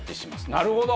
なるほど！